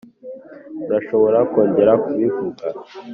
urashobora kongera kubivuga?